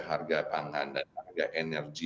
harga pangan dan harga energi